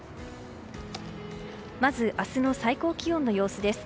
まず、明日の最高気温の様子です。